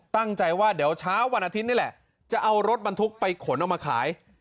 ตั้งใจว่าเดี๋ยวเช้าวันอาทิตย์นี่แหละจะเอารถบรรทุกไปขนเอามาขาย